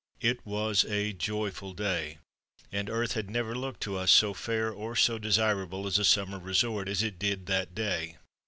It was a joyful day, and earth had never looked to us so fair or so desirable as a summer resort as it did that day.